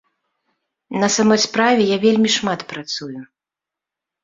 На самой справе, я вельмі шмат працую.